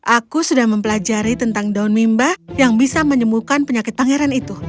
aku sudah mempelajari tentang daun mimba yang bisa menyembuhkan penyakit pangeran itu